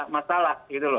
masalah gitu loh